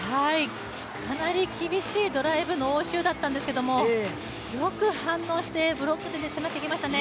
かなり厳しいドライブの応酬だったんですけどよく反応してブロックで攻めていきましたね。